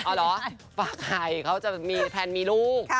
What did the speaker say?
อ๋อเหรอฝากใครเขาจะแทนมีลูก